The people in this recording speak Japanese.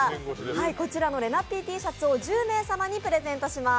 こちらのれなッピーＴシャツを１０名様にプレゼントします。